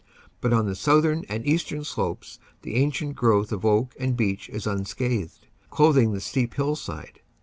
But on the southern and eastern slopes the ancient growth of oak and beech is unscathed, clothing the steep hillside.